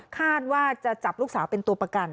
คาดว่าจะจับลูกสาวเป็นตัวประกัน